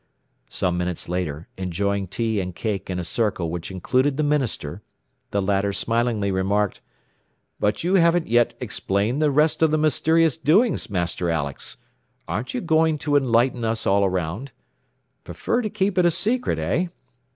Some minutes later, enjoying tea and cake in a circle which included the minister, the latter smilingly remarked, "But you haven't yet explained the rest of the mysterious doings, Master Alex. Aren't you going to enlighten us all round? Prefer to keep it a secret, eh?